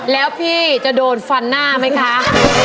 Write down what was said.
แล้วพี่จะโดนฟันหน้าไหมคะ